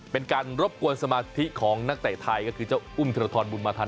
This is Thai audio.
เป็นการรบกวนสมาธิของนักเตะไทยก็คือเจ้าอุ้มธนทรบุญมาทัน